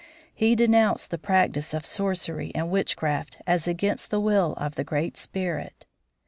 He denounced the practice of sorcery and witchcraft as against the will of the Great Spirit.